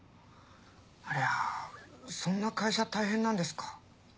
ありゃそんな会社大変なんですか。